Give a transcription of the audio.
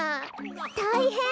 たいへん！